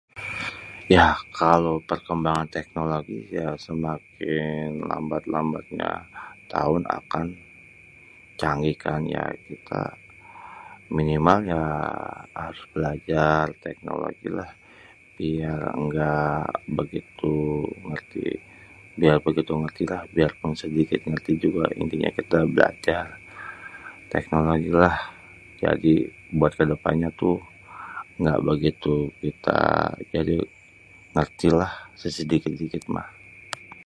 ya kalo perkembangan teknologi ya semakin lambat-lambatnya taun akan canggih kan ya kita. minimal ya harus belajar teknologi lah biar éngga begitu ngérti, biar begitu ngertilah biarpun sedikit ngerti juga intinya kita belajar teknologilah.jadi buat kedepannya tuh nggak bigitu kita jadi ngertilah sésedikit-dikit mah